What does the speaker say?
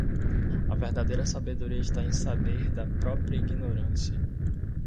A verdadeira sabedoria está em saber da própria ignorância.